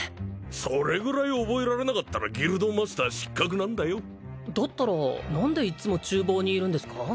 それぐらい覚えられなかったらギルドマスター失格なんだよだったら何でいっつも厨房にいるんですか？